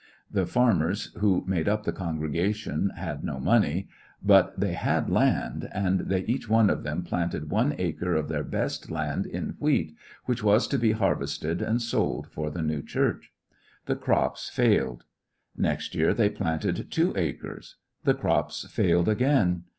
The farmers who made up the con gregation had no money, but they had land, and they each one of them planted one acre of their best land in wheats which was to be harvested and sold for the new church. The crops failed, Next year they planted two acres The crops failed again.